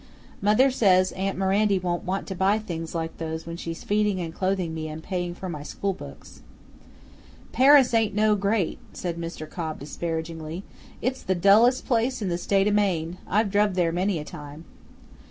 Mother says aunt Mirandy won't want to buy things like those when she's feeding and clothing me and paying for my school books." "Paris ain't no great," said Mr. Cobb disparagingly. "It's the dullest place in the State o' Maine. I've druv there many a time."